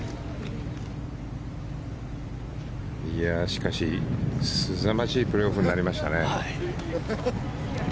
しかし、すさまじいプレーオフになりましたね。